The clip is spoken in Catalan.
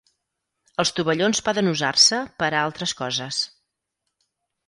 Els tovallons poden usar-se per a altres coses.